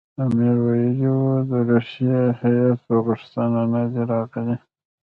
امیر ویلي وو د روسیې هیات په غوښتنه نه دی راغلی.